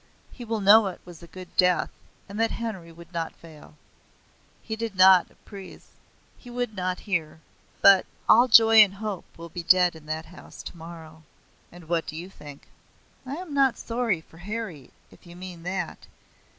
He will know it was a good death and that Harry would not fail. He did not at Ypres. He would not here. But all joy and hope will be dead in that house tomorrow." "And what do you think?" "I am not sorry for Harry, if you mean that.